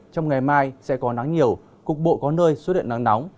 trong ngày mai sẽ có nắng nhiều cục bộ có nơi xuất hiện nắng nóng